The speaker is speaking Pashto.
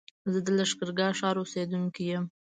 زه د لښکرګاه ښار اوسېدونکی يم